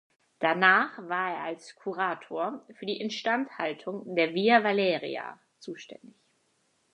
Danach war er als "curator" für die Instandhaltung der Via Valeria zuständig.